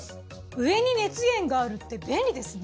上に熱源があるって便利ですね。